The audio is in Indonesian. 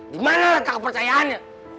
dimana lah kepercayaannya